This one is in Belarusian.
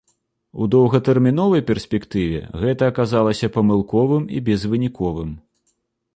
У доўгатэрміновай перспектыве гэта аказалася памылковым і безвыніковым.